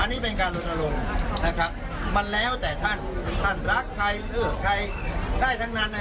ดังนั้นสติ๊กเกอร์นี่รับไว้เถอะครับ